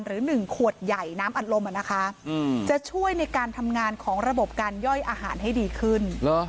หรือ๑ขวดใหญ่น้ำอัดลมจะช่วยในการทำงานของระบบการย่อยอาหารให้ดีขึ้น